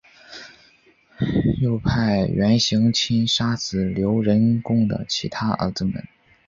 又派元行钦杀死刘仁恭的其他儿子们。